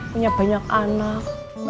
punya banyak anak